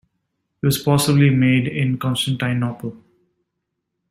It was possibly made in Constantinople.